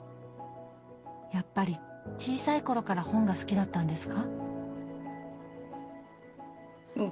やっぱり小さい頃から本が好きだったんですか？